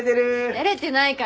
照れてないから。